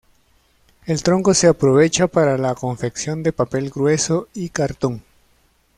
El tronco se aprovecha para la confección de papel grueso y cartón.